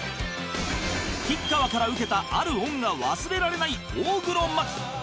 吉川から受けたある恩が忘れられない大黒摩季